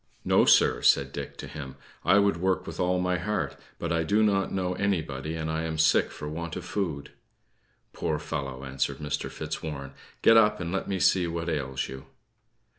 "No, sir," said Dick to him. "I would work with all my heart; but I do not know anybody, and I am sick for want of food." "Poor fellow!" answered Mr. Fitzwarren; "get up, and let me see what ails you."